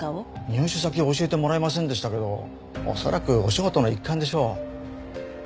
入手先は教えてもらえませんでしたけど恐らくお仕事の一環でしょう。